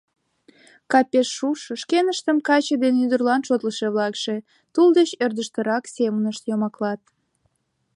Капеш шушо, шкеныштым каче ден ӱдырлан шотлышо-влакше, тул деч ӧрдыжтырак семынышт йомаклат.